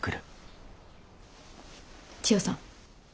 千代さん。